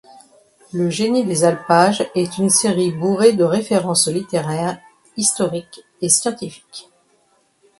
Le Génie des alpages est une série bourrée de références littéraires, historiques et scientifiques.